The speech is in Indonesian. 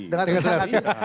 dengan senang hati